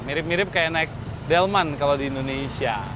mirip mirip kayak naik delman kalau di indonesia